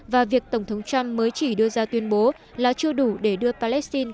và việc tổng thống trump mới chỉ đưa ra tuyên bố là chưa đủ để đưa palestine